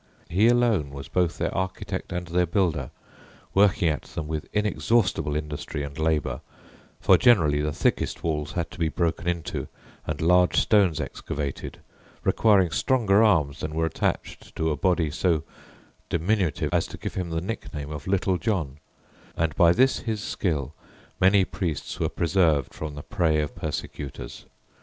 He alone was both their architect and their builder, working at them with inexhaustible industry and labour, for generally the thickest walls had to be broken into and large stones excavated, requiring stronger arms than were attached to a body so diminutive as to give him the nickname of 'Little John,' and by this his skill many priests were preserved from the prey of persecutors.